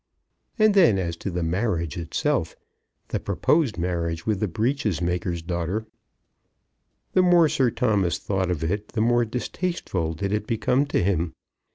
And then as to the marriage itself, the proposed marriage with the breeches maker's daughter, the more Sir Thomas thought of it the more distasteful did it become to him.